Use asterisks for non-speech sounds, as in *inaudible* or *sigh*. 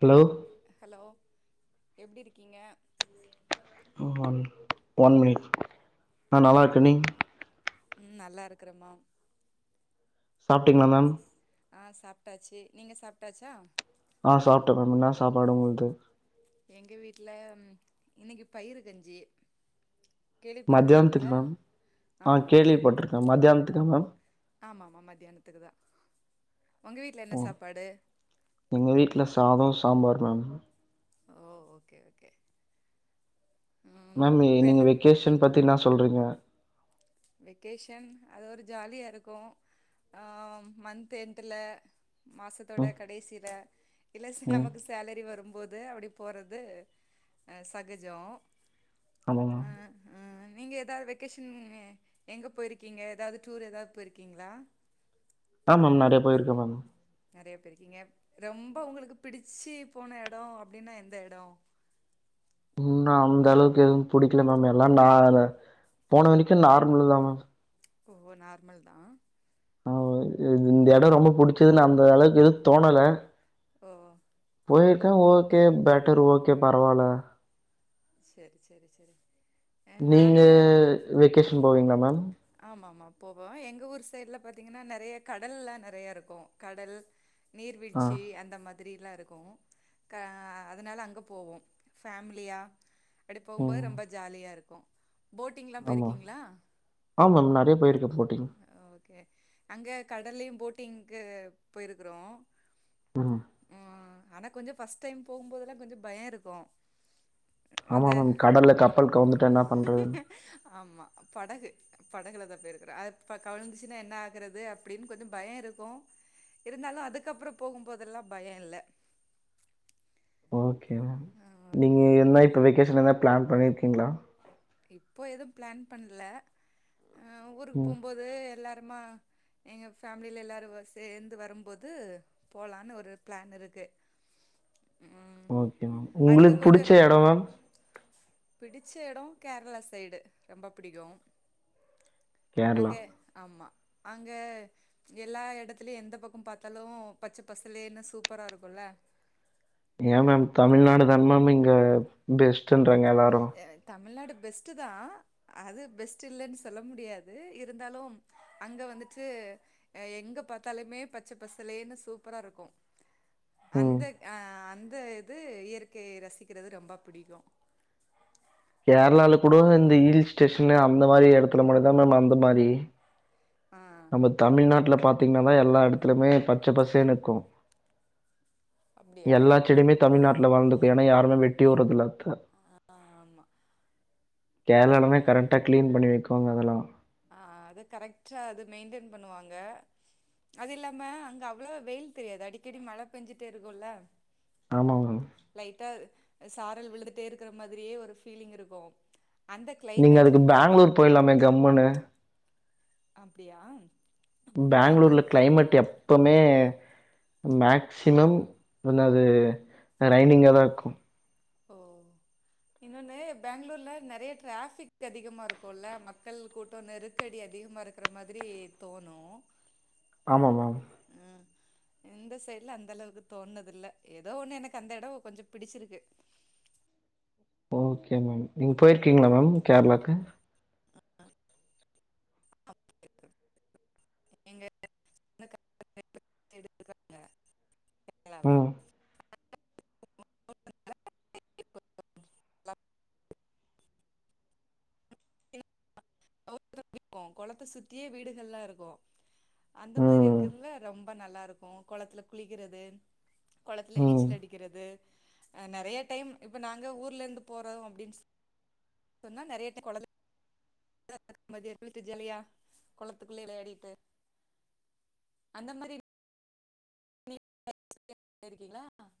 Hello hello எப்படி இருக்கீங்க one one minute நா நல்லா இருக்கே நீங் ம் நல்லா இருக்குறேமா சாப்ட்டீங்களா மேம் ஆ சாப்ட்டாச்சு நீங்க சாப்ட்டாச்சா ஆ சாப்ட்ட மேம் என்னா சாப்பாடு உங்களக்கு எங்க வீட்டில இன்னைக்கி பயிரு கஞ்சி மத்தியானத்துக்கு கேள்விப்பட்டிருக்றீங்ளா மேம் ஆ ஆமா ஆமா கேள்விப்பட்டிருக்கே மத்தியானத்துக்கா மேம் ஆமா ஆமா மத்தியானத்துக்குதா உங்க வீட்ல என்ன ஓ சாப்பாடு எங்க வீட்டுல சாதோ சாம்பார் மேம் ஓ ஓக்கே ஓக்கே மேம் இப்ப நீங்க என்ன வெக்கேஷன் பத்தி என்னா சொல்றீங்க வெக்கேஷன் அது ஒரு ஜாலியா இருக்கு ஆ மந்த்த் எண்ட்டுல மாசத்தோட ம் கடைசியில இல்ல சி ம் நமக்கு சேலரி வரும்போது அப்படி போறது சகஜோ ஆமா ஆ மேம் ஆ நீங்க ஏதாவது வெக்கேஷன் எங்க போயிருக்கீங்க ஏதாவது டூர் ஏதாவது போயிருக்கீங்ளா ஆ மேம் நெறையா போயிருக்கே மேம் நெறைய போய்ருக்கீங்க ரொம்ப உங்களுக்கு பிடிச்சு போன எடோ அப்படின்னா எந்த எடோ இன்னு அந்த அளவுக்கு எதுவு புடிக்கல மேம் எல்லா நா போனவனைக்கு நார்மலு தா மேம் ஓ நார்மல் தா ஆ இந்த எடோ ரொம்ப பிடிச்சிதுன்னு அந்த அளவுக்கு எதுவு தோணல ஓ போயிருக்கே ஓகே பெட்டர் ஓகே பரவால்ல செரி செரி செரி நீங்க நானு வெக்கேஷன் போவீங்ளா மேம் ஆமமா போவோ எங்க ஊர் சைட்ல பாத்தீங்கன்னா நெறைய கடல்லா நெறைய இருக்கு கடல் ஆ நீர்வீழ்ச்சி அந்த மா ரிலா இருக்கு க அதனால அங்க போவோ ஃபேமிலியா அப்டி போம்போது ம் ரொம்ப ஜாலியா இருக்கு போட்டிங்லா ஆமா போயிருக்கீங்ளா ஆ மேம் நெறைய போயிருக்கே போட்டிங் ஓகே அங்க கடல்லியு போட்டிங்க்கு போயிருக்குறோ ம் ஆ ஆனா கொஞ்ச ஃபர்ஸ்ட் டைம் போகும்போதெல்லா கொஞ்சோ பயோ இருக்கு ஆமா அந்த மேம் கடல்ல கப்பல் கவுந்துட்டா என்ன பண்றதுன்னு ஆமா படகு படகுல தா போயிருக்கிறே அது இப்போ கவிழந்துச்சுனா என்ன ஆகுறது அப்டின் கொஞ்ச பய இருக்கு இருந்தாலு அதுக்கப்புறோ போகும்போதெல்லா பய இல்ல ஓகே மேம் ஆ நீங்க ஓகே என்ன இப்போ வெக்கேஷன் என்ன பிளான் பண்ணியிருக்கீங்ளா இப்போ எதும் பிளான் பண்ல அ ஊருக்கு ம் போம்போது எல்லாருமா எங்கள் ஃபேமிலியில எல்லாரு சேந்து வரும்போது போலான்னு ஒரு பிளான் இருக்கு ம் ஓகே மேம் அடுத்து உங்களுக்கு கொஞ்சோ புடிச்ச எடோ மேம் பிடிச்ச இடோ கேரளா சைடு ரொம்ப புடிக்கு கேரளா அங்க ஆமா அங்க எல்லா இடத்துலேயு எந்த பக்கம் பாத்தாலு பச்ச பசலேனு சூப்பரா இருக்குல்ல ஏ மேம் தமிழ்நாடு தா மேம் இங்க பெஸ்ட்ன்றாங்க எல்லாரு அ தமிழ்நாடு பெஸ்ட்டு தாஅது பெஸ்ட்டு இல்லன் சொல்ல முடியாது இருந்தாலு அங்க வந்துட்டு எங்க பாத்தாலுமே பச்ச பசலேன்னு சூப்பரா இருக்கு ம் அந்த அ அந்த இது இயற்கைய ரசிக்கிறது ரொம்ப புடிக்கு கேர்ளால கூட இந்த ஹில் ஸ்டேஷன் அந்த மாரி இடத்துல மட்டு தா மேம் அந்த மாரி ஆ இப்போ தமிழ்நாட்ல பாத்தீங்கன்னா எல்லா எடத்துலுமே பச்ச பசேன்க்கு அப்டியா எல்லா செடிமே தமிழ்நாட்டுல வளந்துக்கு ஏன்னா யாருமே வெட்டியே உட்றதுல்ல அத்த ஆமா கேர்ளாலதா கரெட்டா கிளீன் பண்ணி வைக்குவாங்க அதலா ஆ அது கரெக்டா அது மெயின்டென் பண்ணுவாங்க அது இல்லாம அங்க அவ்ளவா வெயில் தெரியாது அடிக்கடி மழ பெஞ்சுட்டே இருக்குல்ல ஆமா மேம் லைட்டா சாரல் விழுதுட்டேருக்கிற மாதிரியே ஒரு ஃபீலிங் இருக்கு அந்த நீங்க கிளைமேட் அதுக்கு ரொம்ப பிடிக்கு பெங்களூர் போயிர்லாமே கம்முன்னு. அப்டியா பெங்ளூர்ல பெங்களூர் க்ளைமேட் எப் எப்போமோ மேக்சிமம் வந்து அது ரைனிங்காதா இருக்கு ஓ இன்னொன்னு பேங்ளூர்ல நெறைய டிராஃபிக் அதிகமா இருக்குல்ல மக்கள் கூட் ட்ட நெருக்கடி அதிகமாக இருக்கற மாதிரி தோணு ஆமா மேம் ம் இந்த சைட்ல அந்த அளவுக்கு தோணது இல்ல ஏதோ ஒண்ணு எனக்கு அந்த எடோ கொஞ்சோ பிடிச்சிருக்கு ஓகே மேம் நீங்க போயிருக்கீங்களா மேம் கேரளாவுக்கு *unintelligible* *inaudible* ம். *inaudible* *unintelligible* கொளத்த சுத்தியே வீடுகள்லா இருக்கு அந்த மாரி ம். இருக்கதுல ரொம்ப நல்லாருக்கு கொளத்துல குளிக்கிறது கொளத்துல ம். நீச்சல் அடிக்கிறது அ நெறைய டைம் இப்ப நாங்க ஊர்ல இருந்து போறோ அப்டினு சொன்னா நெறைய டை கொள *unintelligible* ட்டு ஜாலியா கொளத்துக்குள்ளே விளாடிட்டு அந்த மாரி *unintelligible* போய்ருக்கீங்களா